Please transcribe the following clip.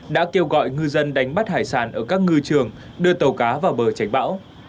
đã kêu gọi ngư dân đánh bắt hải sản ở các ngư trường đưa tàu cá vào bờ tránh bão